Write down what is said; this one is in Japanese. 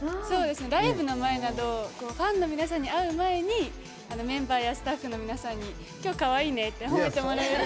ライブの前にファンの皆さんに会う前にメンバーやスタッフの皆さんに今日かわいいねって褒めてもらえると。